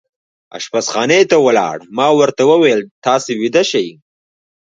اشپزخانې ته ولاړ، ما ورته وویل: تاسې ویده شئ.